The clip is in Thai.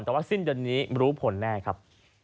แต่ว่าสิ้นเดือนนี้รู้ผลแน่ครับ